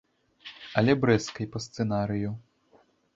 Але брэсцкай па сцэнарыю.